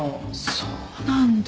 そうなんだ。